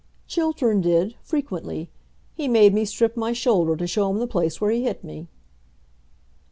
"Chiltern did, frequently. He made me strip my shoulder to show him the place where he hit me."